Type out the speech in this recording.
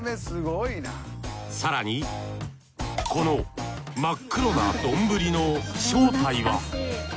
更にこの真っ黒な丼の正体は？